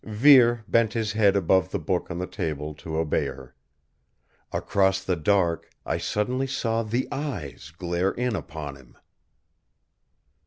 Vere bent his head above the book on the table to obey her. Across the dark I suddenly saw the Eyes glare in upon him.